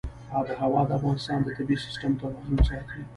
آب وهوا د افغانستان د طبعي سیسټم توازن ساتي.